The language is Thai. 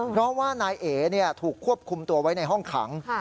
เพราะว่านายเอ๋ถูกควบคุมตัวไว้ในห้องขัง